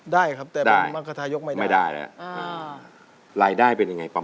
ได้ครับแต่เป็นมรกษายกไม่ได้ได้ไม่ได้แหละ